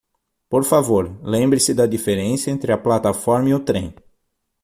Por favor, lembre-se da diferença entre a plataforma e o trem.